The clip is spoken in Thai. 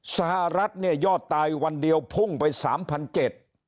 สหรัฐเนี่ยยอดตายวันเดียวพุ่งไปสามพันเจ็ด